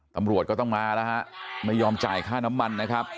ตำรวจก็ต้องมาแล้วฮะไม่ยอมจ่ายค่าน้ำมันนะครับ